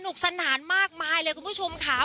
สนานมากมายเลยคุณผู้ชมค่ะ